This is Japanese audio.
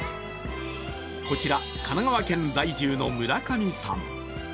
こちら神奈川県在住の村上さん。